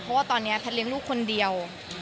เพราะว่าตอนนี้แพทย์เลี้ยงลูกคนเดียว